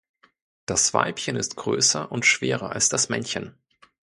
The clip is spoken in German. Das Weibchen ist größer und schwerer als das Männchen.